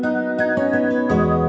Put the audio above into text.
ikut ikutan berjuang aja